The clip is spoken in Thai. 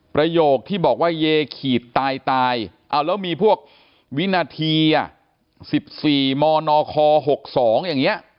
ประโยคที่บอกว่าเยขีดตายตายเอาแล้วมีพวกวินาที๑๔มนค๖๒อย่างนี้